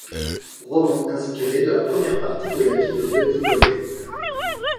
Roman inspiré de la première partie de la vie de Buddy Bolden.